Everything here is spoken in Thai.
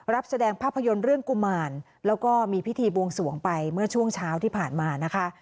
รับแสดงภาพยนตร์เรื่องกุมารแล้วก็มีพิธีบวงสวงไปเมื่อช่วงเช้าที่ผ่านมานะคะ